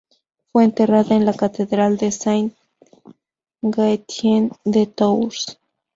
Fue enterrada en la catedral de Saint-Gaetien de Tours.